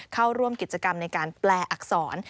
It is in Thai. เข้าร่วมกิจกรรมในการแปลอักษร